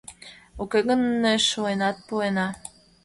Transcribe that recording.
Уке гын нӧшленат пуэна.